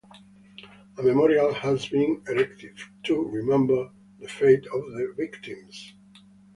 A memorial has been erected to remember the fate of the victims.